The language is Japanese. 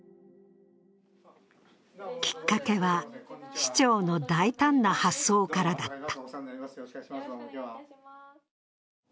きっかけは、市長の大胆な発想からだった。